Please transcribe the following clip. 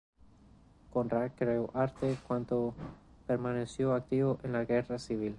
Conrad creó arte cuando permaneció activo en la Guerra Civil.